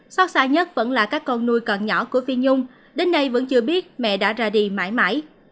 xót xa nhất vẫn là các con nuôi còn nhỏ của phi nhung đến nay vẫn chưa biết mẹ đã ra đi mãi mãi